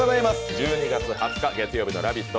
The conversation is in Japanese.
１２月２０日月曜日の「ラヴィット！」